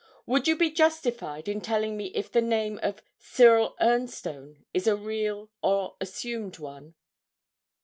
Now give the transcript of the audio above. Would you be justified in telling me if the name of "Cyril Ernstone" is a real or assumed one?'